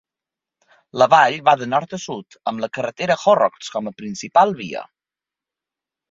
La vall va de nord a sud, amb la carretera Horrocks com a principal via.